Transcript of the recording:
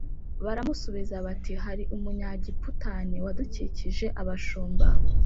Baramusubiza bati hari Umunyegiputan wadukijije abashumba